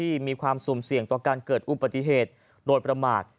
มีความสุ่มเสี่ยงต่อการเกิดอุบัติเหตุโดยประมาท